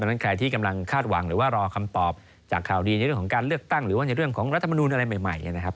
นั้นใครที่กำลังคาดหวังหรือว่ารอคำตอบจากข่าวดีในเรื่องของการเลือกตั้งหรือว่าในเรื่องของรัฐมนูลอะไรใหม่นะครับ